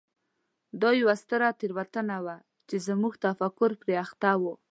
دا یوه ستره تېروتنه وه چې زموږ تفکر پرې اخته و.